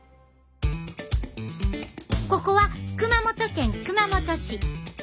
ここは熊本県熊本市。